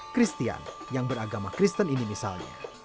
kristian yang beragama kristen ini misalnya